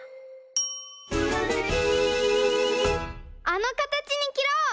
あのかたちにきろう！